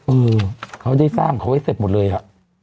เออเขาได้สร้างเขาไว้เสร็จหมดเลยอ่ะ